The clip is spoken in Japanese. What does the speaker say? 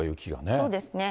そうですね。